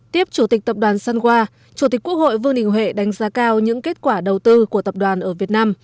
tiếp chủ tịch tập đoàn sunwa chủ tịch quốc hội vương đình huệ đánh giá cao những kết quả đầu tư của tập đoàn ở việt nam